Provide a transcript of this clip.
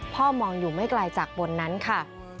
พ่อมองอยู่ไม่ไกลจากบนนั้นค่ะ